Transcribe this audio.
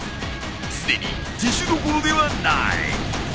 すでに自首どころではない。